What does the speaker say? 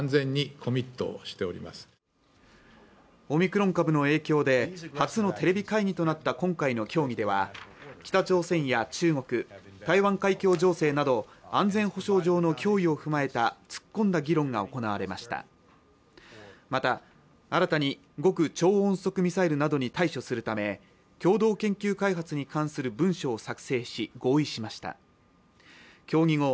オミクロン株の影響で初のテレビ会議となった今回の協議では北朝鮮や中国台湾海峡情勢など安全保障上の脅威を踏まえた突っ込んだ議論が行われましたまた新たに極超音速ミサイルなどに対処するため共同研究開発に関する文書を作成し合意しました協議